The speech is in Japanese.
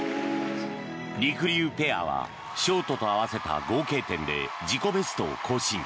りくりゅうペアはショートと合わせて合計点で自己ベストを更新。